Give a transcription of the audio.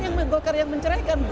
tidak golkar ini menceraikan